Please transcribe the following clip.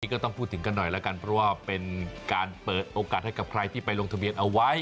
ก็ต้องพูดถึงกันหน่อยแล้วกันเพราะว่าเป็นการเปิดโอกาสให้กับใครที่ไปลงทะเบียนเอาไว้